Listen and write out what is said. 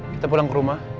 kita pulang ke rumah